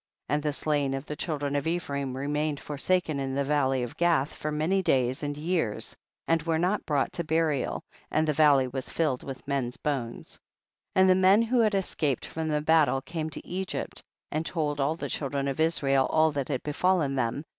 19. And the slain of the children of Ephraim remained forsaken in the valley of Gath for many days and yearsj and were not brought to burial, and the valley was filled with men's bones. 20. And the men who had escaped from the battle came to Egypt, and told all the children of Israel all that had befallen them.